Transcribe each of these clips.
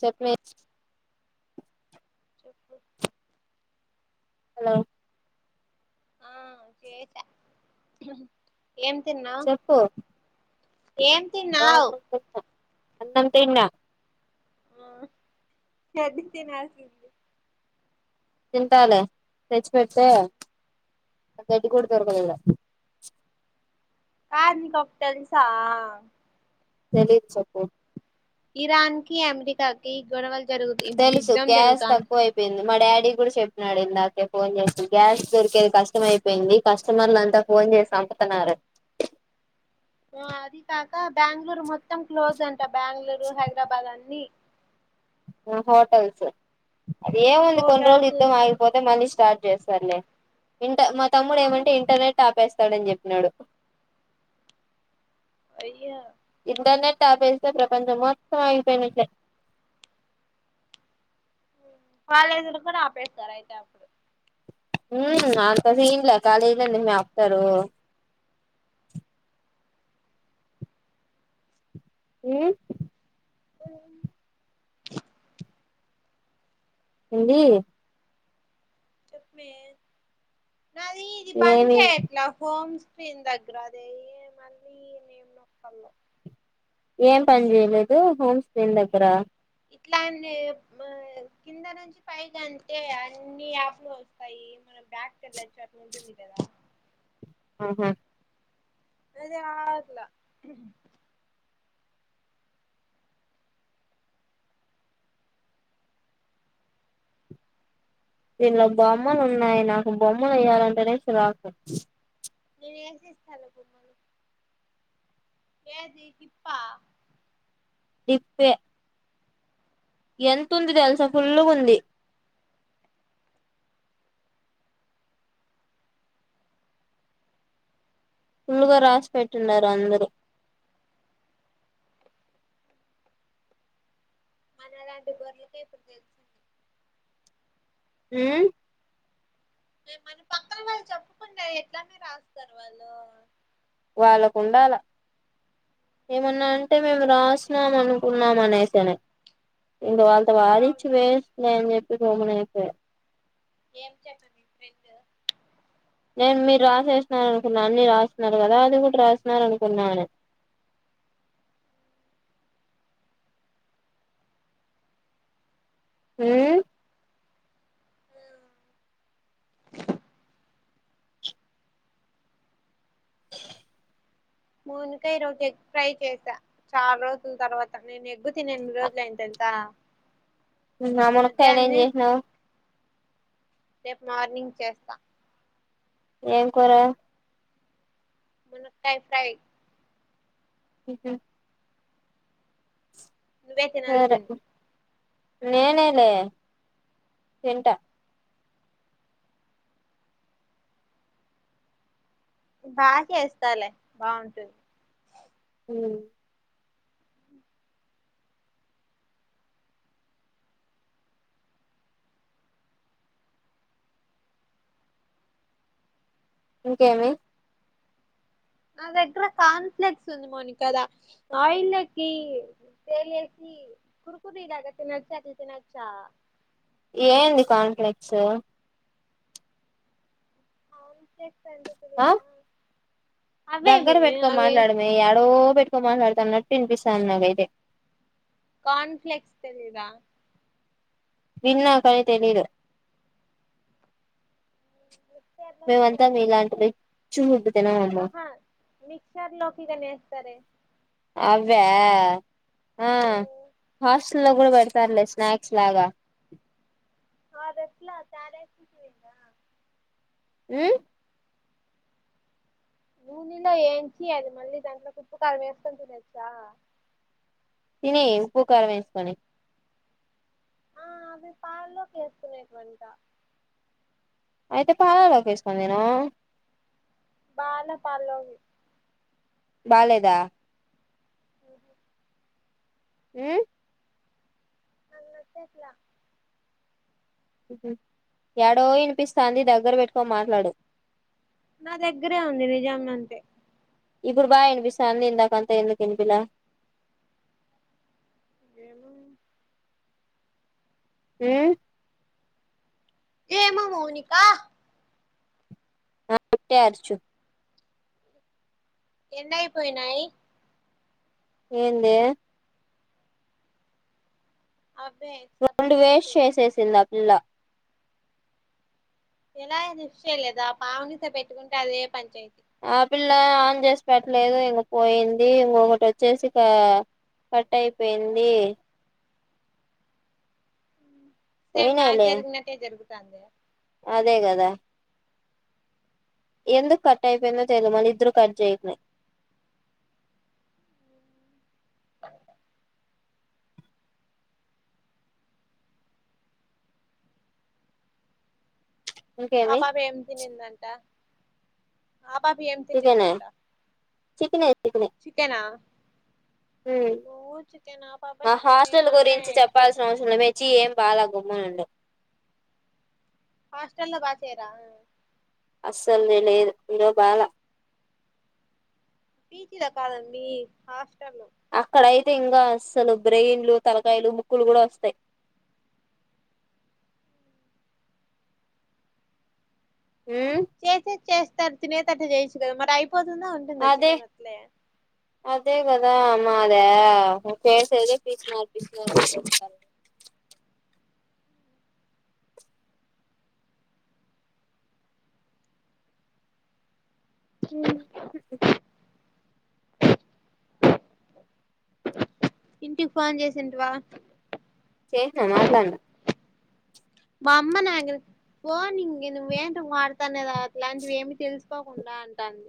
చెప్వే చెప్పు హలో ఆ చేశా ఏం తిన్నావ్ చెప్పు ఏం తిన్నావ్ అన్నం తిన్నా అన్నం తిన్న సద్ది తినాల్సింది తింటాలే తెచ్చి పెడితే అ గడ్డి కూడా దొరకదు ఈడ కాదు నీకు ఒకటి తెలుసా తెలీదు చేప్పు ఇరాన్కి అమ్రికాకి గొడవల్ తెలుసు గ్యాస్ తక్కువ అయిపోయింది మా డాడీ గూడా చెప్పినాడు ఇందాకే ఫోన్ జేసి, గ్యాస్ దొరికేది కష్టం అయిపోయింది కస్టమర్లంతా ఫో. అన్ జేసి సంపుతున్నారు ఆ అది కాక బ్యాంగ్ళూరు మొత్తం క్లోజ్ అంట. బ్యాంగ్ళూరు, హైదరాబాద్ అన్ని. ఓ హోటల్స్ అది ఏముంది కొన్ రోజులు హోటల్స్ యిద్ధం ఆగిపోతే మళ్ళీ స్టార్ట్. జేస్సారులే ఇంట మా తమ్ముడు ఆ ఏమంటే ఇంటర్నెట్ టాపేస్తాడని జెప్పినాడు అయ్యో ఇపుడు నెట్ ఆపేస్తే ప్రపంచం మొత్తం అయిపోయినట్లే. [inaudible] కాలేజీలు కూడా ఆపేస్తారు అయితే అప్పుడు ఊమ్ అంత సీన్లే, కాలేజీలు ఎందుకు మే ఆప్తరు. ఊ [inaudible] ఏండీ చెప్పే నాది ఇది పని ఏమి చేయట్లా హోమ్స్ దీని దగ్గర అదే మళ్ళీ ఏం నొక్కలో ఏం పని చేయలేదు హోమ్ స్క్రీన్ దగ్గర ఇట్లా అంటే కిందనుంచి పైకంటే అన్ని అప్ప్ల ఓస్తాయి మనం బ్యాక్చ్చ అట్లా ఉంటుంది కదా ఆహా అదే రాట్లే దీనిలో బొమ్మలు ఉన్నాయి నాకు బొమ్మలు ఏయ్యాలంటేనే చిరాకు నేను ఏసీ ఇస్తాలే కేజి కిప్పా ఇప్పే ఎంతుంది తెల్సా ఫుల్లుగుంది ఫులుగా రాసి పెటుండరు అందరూ మనలాంటి గోర్లకే ఇప్పుడు తెలిసింది హ్మ్మ్ ఎ మన పక్కన వాళ్ళు చెప్పకుంటె ఇట్లానే రాస్తారు వాళ్ళు వాళ్ళకుండాల ఏమన్నా అంటే మేము రాస్తున్నాం అనుకున్నాం అనేసేనే ఇంకా వాళ్ళతో అవును వాదిచ్చి నేను వెయిస్టేలే అని చెప్పి గమ్మున అయిపోయా ఏం చెప్పింది మీ ఫ్రెండు నేను మీరు రాశేసినారు అనుకున్నాను అన్ని రాస్తున్నారు కదా అది కూడా రాష్న్నారు అనుకున్నాను [inaudible] హ్మ్మ్ [inaudible] మోనికా ఈ రోజు ఎగ్ ఫ్రై చేసా చాలా రోజుల తర్వాత నేను ఎగ్గు తినీ ఎన్ని రోజులు అయింది తెలుస తా నిన్న ఆ మునక్కయను ఏం చేసినవ్ రేపు మార్నింగ్ చేస్తా ఏం కూర మునక్కాయ్ ఫ్రై ఊహ్మ్మ్ సరే నువ్వేతినాల్సింది నేనేలే తింట బా చేస్తాలే బాగుంటుంది హ్మ్మ్ ఇంకేమి నా దగ్గర కార్నఫలాక్స్ ఉంది మోనిక ఆయిల్ లో కీ ఫ్రై చేసి కీ కురుకురీ లాగా తినచ్చ అది తినచ్చా ఏంది కార్నఫలేక్సు కార్నఫలాక్స్ అన్ ఆ దగ్గర అవేమి పెట్టుకొని అవి మాట్లాడవే ఎడో పెట్టుకొని మాట్లాడుతున్నట్టు వినిపిస్తోంది ది నాకైతే కార్నఫలాక్స్ తెలిదా విన్నా కాని తెలీదు మిక్చర్ లోకి మేమంతా గాని ఏస్తారు మీలాంటి అవి రిచ్ ఫుడ్ తినమ్మమ్మ ఆహా మిక్చర్ లోకి కానీ ఎస్తారే అ వే ఆ హాస్టల్ లో కూడా పెడతారులే స్నాక్స్ లాగా అదెట్లా తారే చచవీంద హ్మ్ నూనెలో వేయించి అవి మళ్ళీ దాంట్లో ఉప్పు కారం వేసుకోని తినొచ్చా తినెయ్ ఉప్పు కారం వేసుకని ఆ అవి పాలల్లోకేసుకొనేటివంటా అయితే పాల్లల్లోకేసుకొని తిను బాలే పాలోకి బాలేదా ఒహు మ్మ్ నాకు నచ్చట్ల ఎడో వినిపిస్తాంది దగ్గర పెట్టుకొని మాట్లాడు నా దగ్గరే ఉంది నిజంగా అంతే ఇప్పుడు బాగా వినిపిస్తంది ఇందాక అంత ఎందుకు వినిపిలా ఏమో మ్మ్ ఏమో మౌనికా అంతే అరుచు ఎన్నయిపోయినయి ఏందే అవే రెండు సబ్మిట్ వేస్ట్ చేసేది చేసేసింది ఆ పిల్ల ఎలా లిఫ్ట్ చేయలేదా పావనితో పెట్టుకుంటే అదే పంచాయతీ ఆ పిల్ల ఆన్ చేసి పెట్లేదు ఇంక పోయింది ఇంకొకటి వచ్చేసి పా కట్ అయిపోయింది సేమ్ నాకు పోయినాయిలే జరిగినట్టే జరుగుతాంది అదే కదా ఎందుకు కట్ అయిపోయిందో తేలిదు మళ్లీ ఇద్దరు కట్ చేయట్లే ఆ ఇంకేమి పాప ఏం తినిందంట ఆ పాపి ఏం తినిందంటా చికనే చికెనా హ్మ్ నువ్వు చికెన్ ఆ పాప మా చికెన్ నేను హాస్టల్ మాత్రం గురించి ఎగ్ చెప్పాల్సిన అవసరం ఛీ ఏం బలా గుమ్మనండు హాస్టల్లో బాగ చేయరా అస్సల్ది లేదు ఇరో బాగా పీజీలో హాస్టల్ లో అక్కడ అయితే ఇంకా అసలు బ్రెయిన్లు తలకాయలు ముక్కులు కూడా వస్తాయి మ్మ్ చేసేది చేస్తారు తినేట్టటు చేయచ్చు కదా మరి అయిపోతుందా ఉంటుందా అదే చికెన్ అట్లే అదే కదా అమ్ మా అదే పసేదే పసినారీ పిసినారీ హ్మ్ ఇంటికి ఫోన్ చేసింటివా చేసినా మాట్లాడినా మా అమ్మ నా పోఓ నంక నువ్వ ఏంట వాడతానేద అట్లాంటివి ఏమి తెలుసుకోకుండా అంటాంది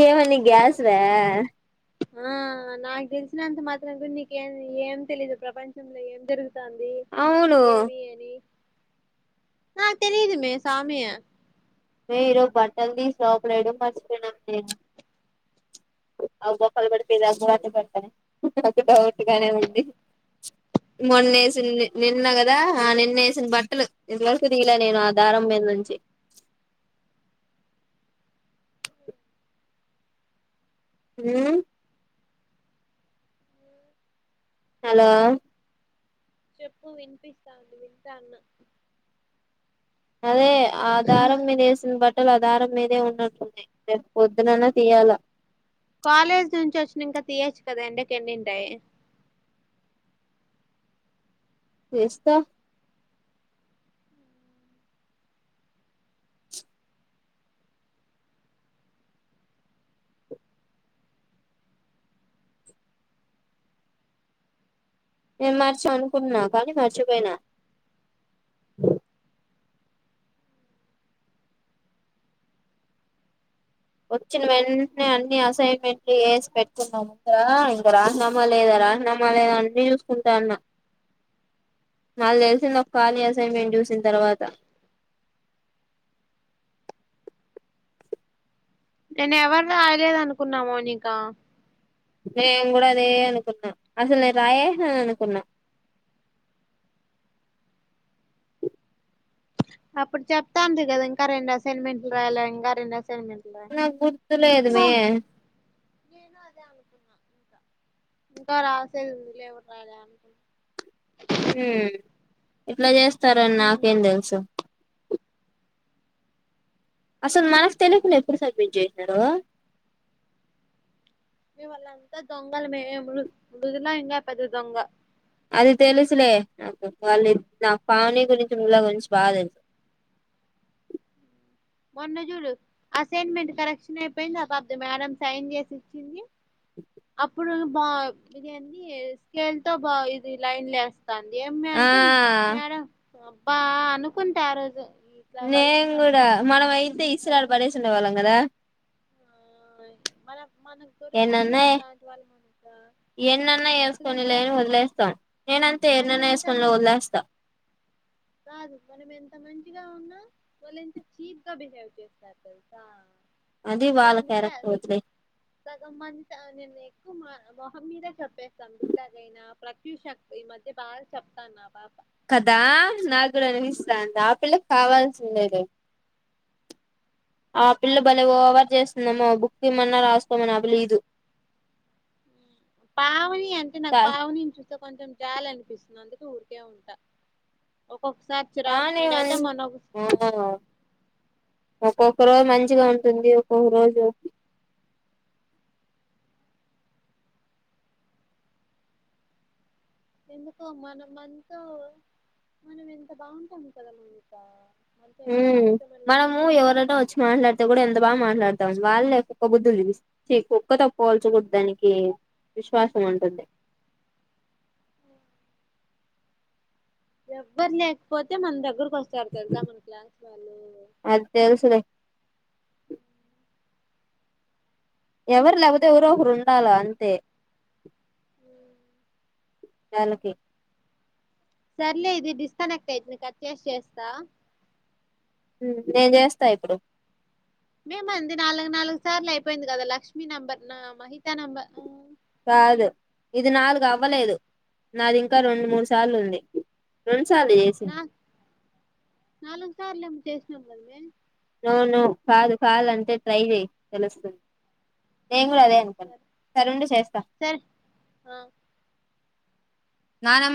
ఏమని గ్యాస దా ఆ నాకు తెలిసినంత మాత్రం గురి నీకేం ఏం తెలీదు ప్రపంచంలో ఏం జరుగుతు ంది అవును ఏమి ఏని తెలీదుమే సామి మీ ఈరోజు బట్టలు తీసి లోపల వేయడం మర్చిపోయినామే అ గొప్పలు పడిపోది అబట పడత నాకు డౌట్ గానే ఉంది మొన్నేసింది నిన్న కదా ఆ నిన్న వేసిన బట్టలు ఇంతవరకు దీలే నేను ఆ దారం మీద నుంచి ఊ హలో చెప్పు వినిపిస్తాంది వింటాన్న అదే ఆ దారం మీద వేసిన బట్టలు అట్ ఆ దారం మీదే ఉన్నట్టుంది రేప్ పొద్దునన్న తీయాలా కాలేజ్ నుంచి వచ్చినాకా తీయచ్చు కదా ఎండకెండింటాయి తీస్తా నేన్ మారిచ అనుకున్న కానీ మర్చిపోయినా వచ్చిన వెంటనే అన్ని అసైన్మెంట్లు వేసి పెట్టుకున్నా ముందా ఇంక రాసినామా లేద రాసినామా లేదా అన్నీ చూసుకుంటాన్న నాకు తెలిసింది ఒక కాళీ అసైన్మెంట్ చూసిన తర్వాత నేను ఎవర్రాయలేదు అనుకున్నా మౌనిక నేను కూడా అదే అనుకున్నా అసలు నేను రాయేసినా అనుకున్నా అప్పుడు చెప్తాంది కదా ఇంక రెండు అసైన్మెంట్లు రాయల ఇంక రెండ నాకు గుర్తులేదు మే నేను అదే అనుకున్నా ఇంకా ఇంకా రాసేది ఉంది లేవుడు రాలే అనుకు ఊ ఇట్లా చేస్తారని నాకేం తెలుసు అసలు మనకు తెలియకుండా ఎప్పుడు సబ్మిట్ చేశినారు వల్లంతా దొంగలు మే మృ మృదుల ఇంకా పెద్ద దొంగ అది తెలుసులే నాకు వాళ్ళు నాకు పావనీ గురించి మృదుల గురించి బాగా తెలుసు మొన్న చూడు అసైన్మెంట్ కరెక్షన్ అయిపోయింది ఆ పాపది మేడం సైన్ చేసి ఇచ్చింది అప్పుడు బా ఇదేంది స్కేల్ తో బా ఇది లైన్ లేస్త తాంది ఏమ్మే అంటే ఆ మేడం అబ్బా అనుకుంటే ఆ రోజు ఇట్లా నేను వదిలితే అడక కూడా మనం అయితే ఇసిరి అడ అడగ పడేసే ఉండేవాళ్ళం కదా [inaudible] మనక్ మనకు దొరికే వాళ్ళే ఎన్నన్నా అట్లాంటి వాళ్ళు మనకు ఎన్నన్నా అసలు ఎంత ఎసుకొనిలే వదిలేస్తాం నేనంతే మనం ఎమన్నా చేసుకోని లే వదిలేస్తా గాదు మనం ఎంత మంచిగా ఉన్నా వాళ్ళు ఎంత చీప్ గా బిహేవ్ చేస్తార్ తెలుసా అది నేను వాళ్ళ అందుకే క్యారెక్టర్ వదిలే సగం మందితో నేను ఎక్కు మొహం మీద చెప్పేస్తా మృదులా కైనా ప్రత్యూషక్ ఈ మధ్య బాగా చెప్తాన్నా అ పాప కదా నాకు కూడ ఆ, అనిపిస్తాంది ఆపిల్లకి కావాల్సిందేలే ఆ పిల్ల బలే ఓవర్ చేస్తుందమ్మొ బుక్ ఇయమన్నా రాసుకోమని ఆ పిల్ల ఈదు పావని అంటే నాకు పావని చూపి ఇంకా కొంచెం జాలి అనిపిస్తుంది అందుకే ఉరికే ఉంటా ఒక్కొక్కసారి చిరాకు పావని నేనైతే మంచి మొన్న ఒక- ఓహో ఒక్కొక్క రోజు మంచిగా ఉంటుంది ఒక్కొక్క రోజు ఎందుకో మనంతా మనం ఎంత బాగుంటాం కదా మౌనికా ఉ మనము ఎవరైనా వచ్చి చెప్పు మాట్లాడితే కూడా ఎంత బాగా మాట్లాడుతాం వాళ్లే కుక్కా బుద్ధులు చూపిస్తా చ్చి కుక్కతో పోల్చగూడదు దానికి విశ్వాసం ఉంటుంది ఎవ్వరు లేకపోతే మన దగ్గర వస్తారు తెలుసా మన క్లాస్ వాళ్ళు అది తెలుసులే ఎవరు లేకపోతే ఎవరో ఒకరు ఉండాల అంతే ఉ తనకి సర్లే ఇది డిస్కనెక్ట్ అయితుంది కట్ చేసి చేస్త నేన్ చేస్త ఇప్పుడు మేమంది నాలుగు నాలుగు సార్లు అయిపోయింది గదా లక్ష్మీ నెంబర్ నా మహితా నంబర్ కాదు ఇది నాలుగు అవ్వలేదు నాది ఇంకా రెండు మూడు సార్లు ఉంది ఉ న నాలుగు సార్లు ఏమో చేసిన కదా మే నోనో కాదు కళ్ళంటే ట్రై చేయి తెలుస్తు నేను గూడ అదే అనుకున్నా సరే సరే ఉండు చేస్త సరే నా న మ్